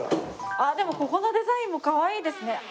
あっでもここのデザインもかわいいですね。